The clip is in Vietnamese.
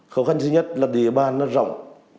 khó khăn duy nhất là địa bàn nó rộng